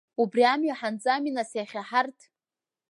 Убри амҩа ҳанӡами нас иахьа ҳарҭ?